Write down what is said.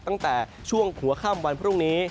ตั้งแต่ช่วงหัวค่ำวันพรุ่งนี้